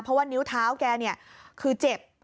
เพราะว่านิ้วเท้าแกเนี่ยคือเจ็บ